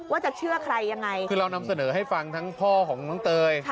ว่าจะเชื่อไม่ยังไงที่เรานำเสนอให้ฟังทั้งพ่อของพระเทย์